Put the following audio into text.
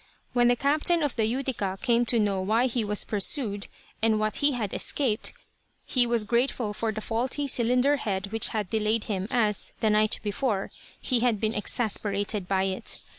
When the captain of the Utica came to know why he was pursued, and what he had escaped, he was as grateful for the faulty cylinder head which had delayed him as, the night before, he had been exasperated by it.